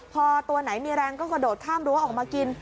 พอตัวไหนมีแรงก็กระโดดข้ามรั้วออกมากิน